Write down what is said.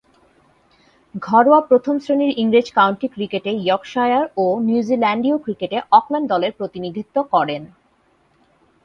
ঘরোয়া প্রথম-শ্রেণীর ইংরেজ কাউন্টি ক্রিকেটে ইয়র্কশায়ার ও নিউজিল্যান্ডীয় ক্রিকেটে অকল্যান্ড দলের প্রতিনিধিত্ব করেন।